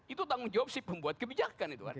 itu tanggung jawab si pembuat kebijakan itu